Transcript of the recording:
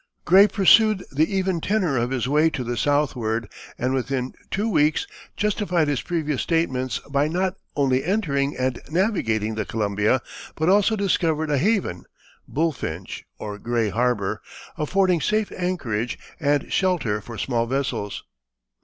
Gray pursued the even tenor of his way to the southward, and within two weeks justified his previous statements by not only entering and navigating the Columbia, but also discovered a haven (Bulfinch or Gray Harbor) affording safe anchorage and shelter for small vessels.